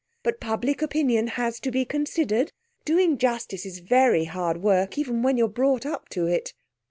But public opinion has to be considered. Doing justice is very hard work, even when you're brought up to it."